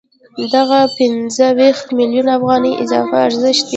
دغه پنځه ویشت میلیونه افغانۍ اضافي ارزښت دی